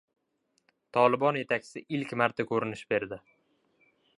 "Tolibon” yetakchisi ilk marta ko‘rinish berdi